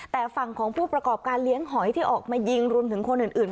แต่ฝั่งของผู้ประกอบการเลี้ยงหอยที่ออกมายิงรวมถึงคนอื่น